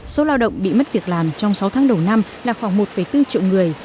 số lao động bị mất việc làm trong sáu tháng đầu năm là khoảng một bốn triệu người